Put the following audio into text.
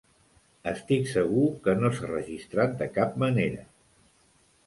Estic segur que no s'ha registrat de cap manera.